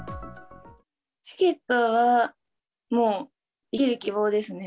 チケットはもう生きる希望ですね。